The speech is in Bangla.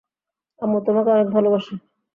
আম্মু তোমাকে অনেক ভালবাসে!